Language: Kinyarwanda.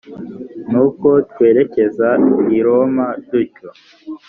nuko twerekeza i roma dutyo